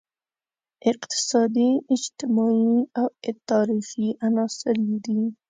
اقتصادي، اجتماعي او تاریخي عناصر یې دي.